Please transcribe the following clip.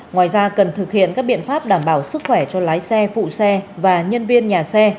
ngoài ra cần thực hiện các biện pháp đảm bảo sức khỏe cho lái xe phụ xe và nhân viên nhà xe